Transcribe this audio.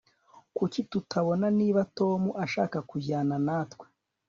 Kuki tutabona niba Tom ashaka kujyana natwe